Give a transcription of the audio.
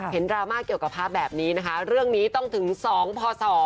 ดราม่าเกี่ยวกับภาพแบบนี้นะคะเรื่องนี้ต้องถึง๒พศ